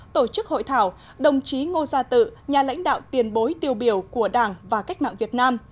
tổ chức hội thảo đồng chí ngô gia tự nhà lãnh đạo tiền bối tiêu biểu của đảng và cách mạng việt nam